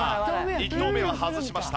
１投目は外しました。